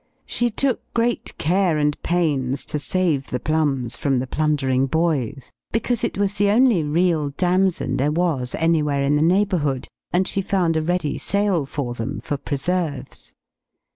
She took great care and pains to save the plums from the plundering boys, because it was the only real damson there was anywhere in the neighborhood, and she found a ready sale for them, for preserves.